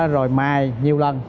rồi mài nhiều lần